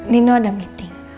nino ada meeting